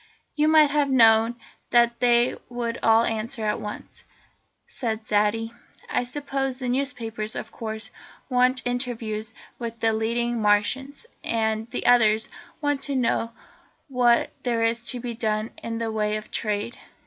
"You might have known that they would all answer at once," said Zaidie. "I suppose the newspapers, of course, want interviews with the leading Martians, and the others want to know what there is to be done in the way of trade.